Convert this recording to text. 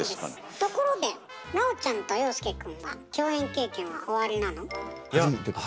ところで南朋ちゃんと遥亮くんは共演経験はおありなの？